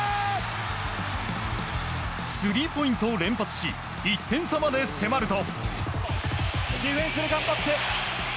スリーポイントを連発し１点差まで迫ると。